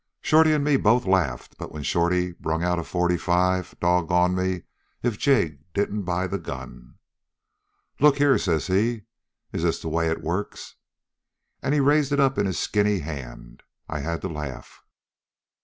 "Shorty and me both laughed, but, when Shorty brung out a forty five, doggone me if Jig didn't buy the gun. "'Look here,' says he, 'is this the way it works?' "And he raises it up in his skinny hand. I had to laugh.